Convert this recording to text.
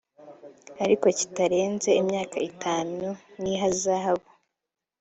ariko kitarenze imyaka itanu n ihazabu